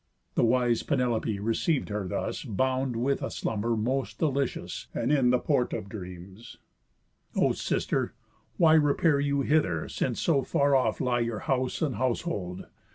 The wise Penelope receiv'd her thus, Bound with a slumber most delicious, And in the port of dreams: "O sister, why Repair you hither, since so far off lie Your house and household?